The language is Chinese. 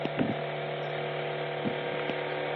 权臣郑检拥立黎除的后裔黎维邦做皇帝。